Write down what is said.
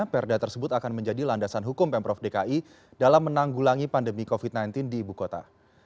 perda tersebut akan menjadi landasan hukum pemprov dki dalam menanggulangi pandemi covid sembilan belas di ibu kota